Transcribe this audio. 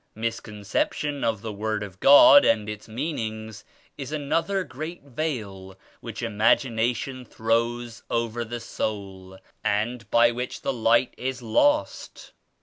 Misconception of the Word of God and its meanings is another great veil which imagina tion throws over the soul and by which the Light is lost.